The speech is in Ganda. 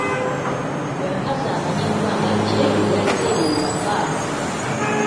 Omukazi amanyiddwa nga Jane yazze ewaka.